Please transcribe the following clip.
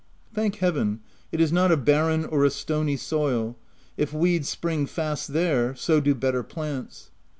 Thank Heaven, it is not a barren or a stony soil ; if weeds spring fast there, so do better plants.